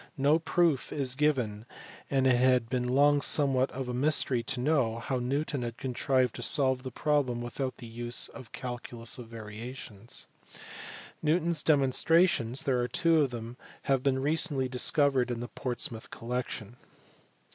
No proof is given and it had been long somewhat of a mystery to know how Newton had contrived to solve the problem without the use of the calculus of variations. Newton s demonstrations (there are two of them) have been recently discovered in the Portsmouth collection.